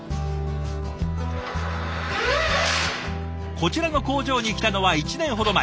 こちらの工場に来たのは１年ほど前。